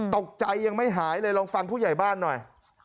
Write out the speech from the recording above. ตกใจยังไม่หายเลยลองฟังผู้ใหญ่บ้านหน่อย